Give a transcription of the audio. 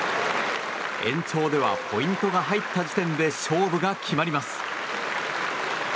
延長ではポイントが入った時点で勝負が決まります。